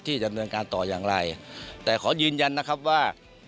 ดำเนินการต่ออย่างไรแต่ขอยืนยันนะครับว่า